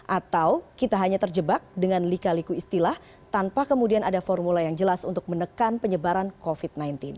atau kita hanya terjebak dengan lika liku istilah tanpa kemudian ada formula yang jelas untuk menekan penyebaran covid sembilan belas